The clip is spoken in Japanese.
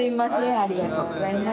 ありがとうございます。